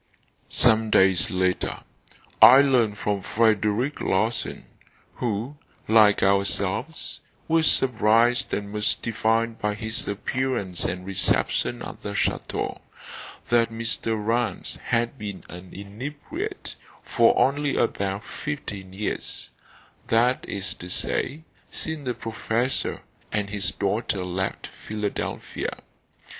Some days later, I learned from Frederic Larsan who, like ourselves, was surprised and mystified by his appearance and reception at the chateau that Mr. Rance had been an inebriate for only about fifteen years; that is to say, since the professor and his daughter left Philadelphia.